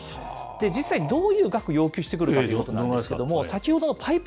実際、どういう額要求してくるかということなんですが、先ほどのパイプ